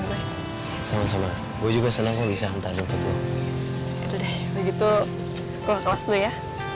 juga sama sama gue juga senang bisa hantar jemput begitu kelas dulu ya